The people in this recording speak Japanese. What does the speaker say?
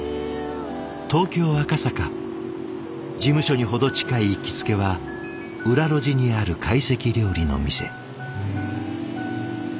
事務所に程近い行きつけは裏路地にある懐石料理の店。